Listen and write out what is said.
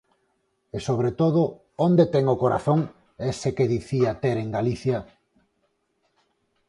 E, sobre todo, ¿onde ten o corazón, ese que dicía ter en Galicia?